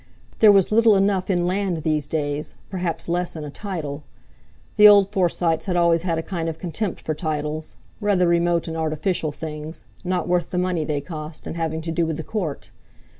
There was little enough in land, these days; perhaps less in a title. The old Forsytes had always had a kind of contempt for titles, rather remote and artificial things—not worth the money they cost, and having to do with the Court.